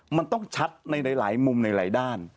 มันต้องชัดในหลายมุมในหลายด้าน